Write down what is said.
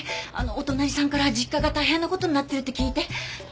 お隣さんから実家が大変な事になってるって聞いて。